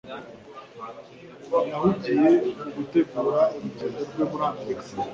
yahugiye mu gutegura urugendo rwe muri amerika